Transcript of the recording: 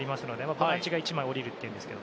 ボランチが１枚下りるんですが。